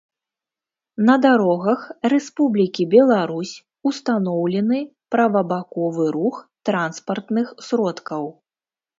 На дарогах Рэспублікі Беларусь устаноўлены правабаковы рух транспартных сродкаў